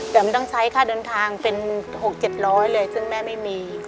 แต่มันต้องใช้ค่าเดินทางเป็น๖๗๐๐เลยซึ่งแม่ไม่มี